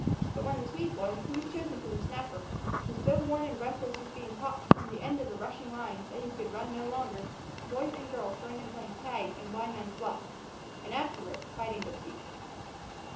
But when the Swede boy, who was chosen for the snapper, was so worn and breathless with being popped from the end of the rushing line that he could run no longer, boys and girls had joined in playing tag and blindman's buff and, afterward, hide and go seek.